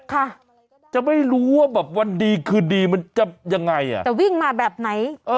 ค่ะจะไม่รู้ว่าแบบวันดีคืนดีมันจะยังไงอ่ะจะวิ่งมาแบบไหนเออ